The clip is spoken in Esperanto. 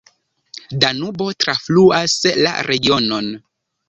Danubo trafluas la regionon.